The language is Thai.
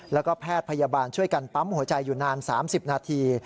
แล้วก็แพทย์พยาบาลช่วยกันปั๊มหัวใจอยู่นาน๓๐นาที